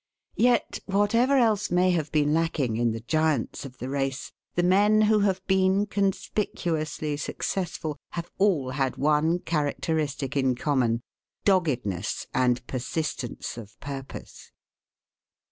Yet whatever else may have been lacking in the giants of the race, the men who have been conspicuously successful have all had one characteristic in common doggedness and persistence of purpose.